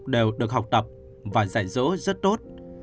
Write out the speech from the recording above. đều được học tập và dạy dỗ rất tốt